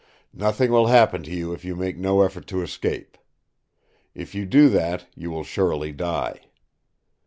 Nothing will happen to you if you make no effort to escape. If you do that, you will surely die.